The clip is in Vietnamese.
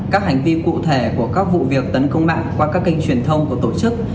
các hành vi cụ thể của các vụ việc tấn công mạng qua các kênh truyền thông của tổ chức